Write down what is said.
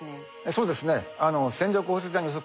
そうですね。